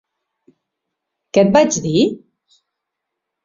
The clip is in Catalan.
Què et vaig dir?